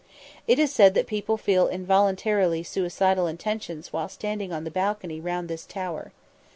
It is said that people feel involuntary suicidal intentions while standing on the balcony round this tower.